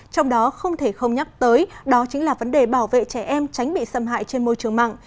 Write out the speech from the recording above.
trong đó không thể không nhắc tới đó chính là vấn đề bảo vệ trẻ em tránh bị xâm hại trên môi trường mạng